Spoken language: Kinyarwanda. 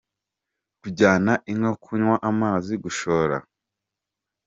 Kujyana inka kunywa amazi : Gushora.